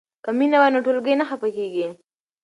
که مینه وي نو ټولګی نه خفه کیږي.